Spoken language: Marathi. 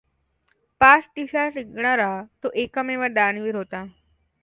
पाच दिशा जिकणारा तो एकमेव दानवीर होता.